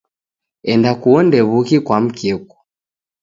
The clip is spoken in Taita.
Enda kuonda w'uki kwa mkeku.